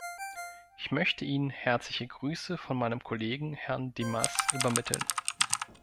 Ich möchte Ihnen herzliche Grüße von meinem Kollegen Herrn Dimas übermitteln.